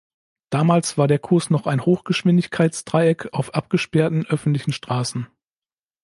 Damals war der Kurs noch ein Hochgeschwindigkeits-Dreieck auf abgesperrten öffentlichen Straßen.